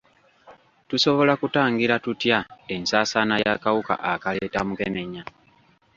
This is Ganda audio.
Tusobola kutangira tutya ensaasaana y'akawuka akaleeta mukenenya?